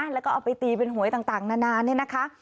แล้วก็เอาไปตีเป็นหวยต่างนานาเนี่ยนะคะ